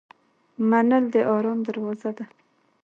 منل د آرام دروازه ده.